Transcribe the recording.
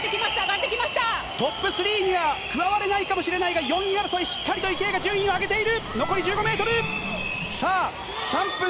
トップ３には加われないかもしれないが４位争い、しっかりと池江が順位を上げている。